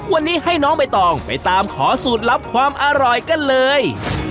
วันนี้ให้น้องใบตองไปตามขอสูตรลับความอร่อยกันเลย